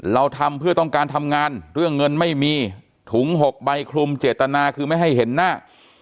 เราทำเพื่อต้องการทำงานเรื่องเงินไม่มีถุง๖ใบคลุมเจตนาคือไม่ให้เห็นหน้า